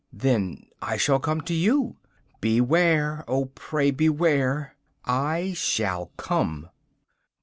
'Then I shall come to you.' 'Beware, oh pray, beware!' 'I shall come.